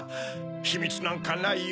ひみつなんかないよ。